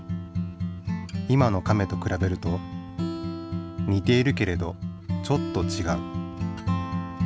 今のカメとくらべるとにているけれどちょっとちがう。